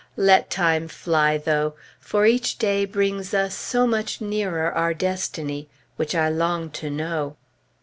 Let time fly, though; for each day brings us so much nearer our destiny, which I long to know.